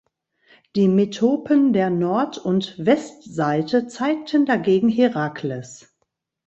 Die Metopen der Nord- und Westseite zeigten dagegen Herakles.